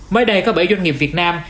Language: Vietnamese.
mới đây có bảy doanh nghiệp việt nam